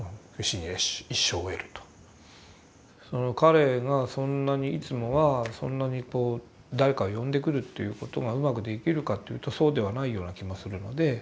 その彼がそんなにいつもはそんなにこう誰かを呼んでくるということがうまくできるかというとそうではないような気もするので。